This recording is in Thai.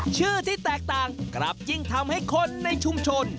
ชื่อที่แตกต่างกลับยิ่งทำให้คนในชุมชน